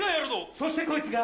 そしてこいつが！